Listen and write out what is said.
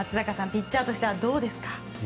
ピッチャーとしてはどうですか？